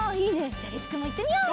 じゃありつくんもいってみよう！